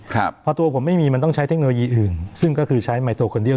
ครับพอตัวผมไม่มีมันต้องใช้เทคโนโลยีอื่นซึ่งก็คือใช้ไมโตคนเดียว